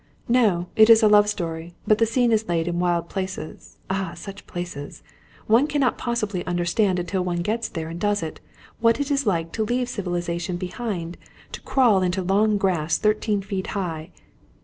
"No; it is a love story. But the scene is laid in wild places ah, such places! One cannot possibly understand, until one gets there and does it, what it is like to leave civilisation behind, and crawl into long grass thirteen feet high!"